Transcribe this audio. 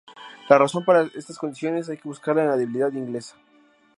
La razón para estas condiciones hay que buscarla en la debilidad inglesa.